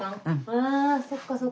あそっかそっか。